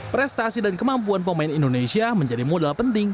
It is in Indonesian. prestasi dan kemampuan pemain indonesia menjadi modal penting